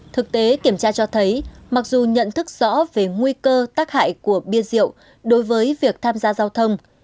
thực tế kiểm tra cho thấy mặc dù nhận thức rõ về nguy cơ tác hại của bia rượu đối với việc tham gia giao thông